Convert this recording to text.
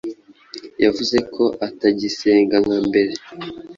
yavuze ko atagisenga nka mbere